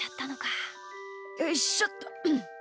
よいしょっと。